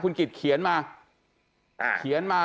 คุณกิจเขียนมา